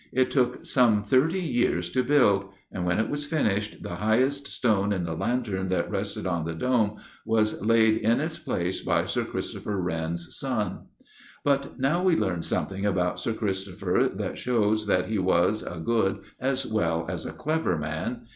It took some thirty years to build, and when it was finished, the highest stone in the lantern that rests on the dome was laid in its place by Sir Christopher Wren's son. But now we learn something about Sir Christopher that shows that he was a good as well as a clever man.